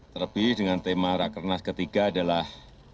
terlebih dengan tema rakernas ketiga adalah